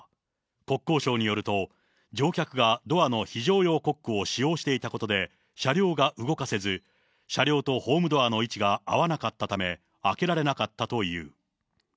国交省によると、乗客がドアの非常用コックを使用していたことで、車両が動かせず、車両とホームドアの位置が合わなかったため、開けられなかったという。